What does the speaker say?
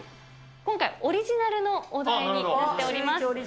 今回はオリジナルのお題になっております。